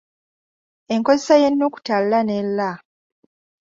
Enkozesa y’Ennukuta l ne r.